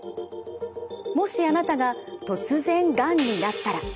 もしあなたが突然がんになったら。